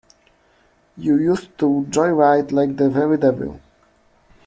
You used to joyride like the very devil.